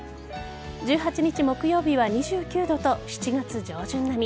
１８日木曜日は２９度と７月上旬並み。